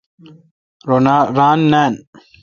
رو ران نان۔